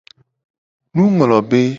Nunglobe.